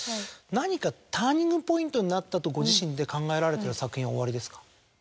何かターニングポイントになったとご自身で考えられてる作品はおありですか？